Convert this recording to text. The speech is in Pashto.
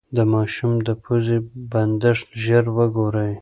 د ماشوم د پوزې بندښت ژر وګورئ.